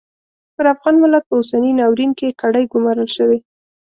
پر افغان ملت په اوسني ناورین کې کړۍ ګومارل شوې.